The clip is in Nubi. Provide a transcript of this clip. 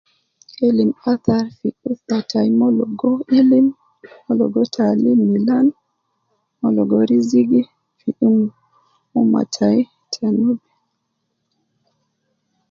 Ilim athar fi umma tai. Umon logo ilim, umon logo taalim milan, umon logo rizigi ,fu umma tayi ta Nubi.